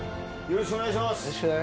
よろしくお願いします。